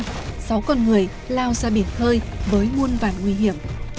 sau đó sáu con người lao ra biển khơi với muôn vàn nguy hiểm